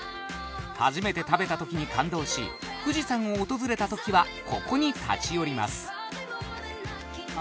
初めて食べた時に感動し富士山を訪れた時はここに立ち寄りますあ